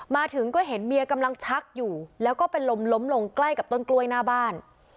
มาถึงก็เห็นเมียกำลังชักอยู่แล้วก็เป็นลมล้มลงใกล้กับต้นกล้วยหน้าบ้าน